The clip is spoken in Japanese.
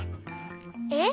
えっ？